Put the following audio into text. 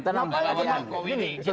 kenapa yang menangkau ini